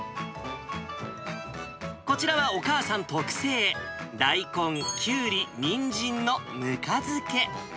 こちらはお母さん特製、大根、きゅうり、にんじんのぬか漬け。